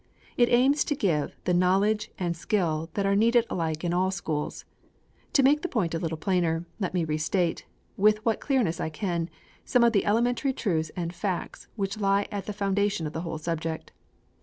It aims to give the knowledge and skill that are needed alike in all schools. To make the point a little plainer, let me restate, with what clearness I can, some of the elementary truths and facts which lie at the foundation of the whole subject.